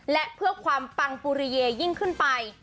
และเพื่อความปังปุริเยยิ่งขึ้นไป